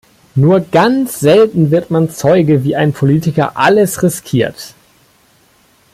Nur ganz selten wird man Zeuge, wie ein Politiker alles riskiert.